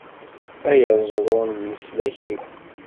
A aẓru n leslak-iw!